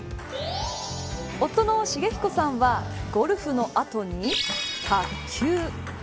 夫の重彦さんはゴルフの後に卓球。